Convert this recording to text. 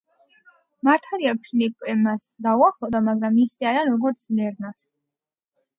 მართალია ფილიპე მას დაუახლოვდა, მაგრამ ისე არა, როგორც ლერნას.